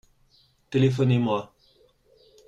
Téléphonez-moi.